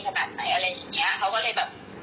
เขาก็เลยแบบการที่ด่าเยอะแยะเจ็บไปหมดแล้วขอโทษเต็มเลย